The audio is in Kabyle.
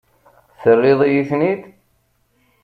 Terriḍ-iyi-ten-id?